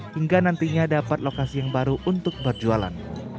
hingga nantinya dapat lokasi yang baru untuk berjualan